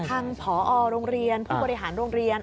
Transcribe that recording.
ทางผอโรงเรียนผู้บริหารโรงเรียน